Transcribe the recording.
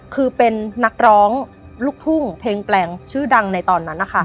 คือเป็นนักร้องลูกทุ่งเพลงแปลงชื่อดังในตอนนั้นนะคะ